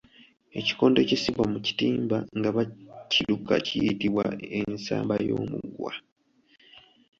Ekikondo ekissibwa mu kitimba nga bakiruka kiyitibwa ensamba y’omugwa.